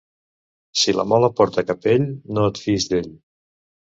Si la Mola porta capell, no et fiïs d'ell.